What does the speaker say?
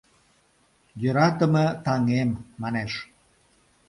— Йӧратыме таҥем, — манеш.